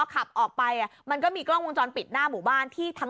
ขับออกไปมันก็มีกล้องวงจรปิดหน้าหมู่บ้านที่ทาง